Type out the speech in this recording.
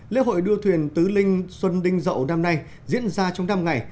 lễ hội đua thuyền tứ linh xuân đinh dậu năm nay diễn ra trong năm ngày